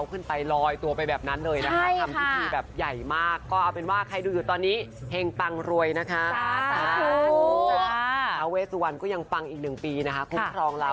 คุณฟินตัวเลขด้วยสุดกันทั่วหน้าแล้วแบบองค์ท้าเวสวนคือจานองค์ใหญ่มากเลยนะ